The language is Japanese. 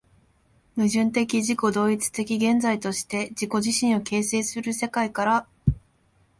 矛盾的自己同一的現在として自己自身を形成する世界から、